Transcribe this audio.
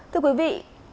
thưa quý vị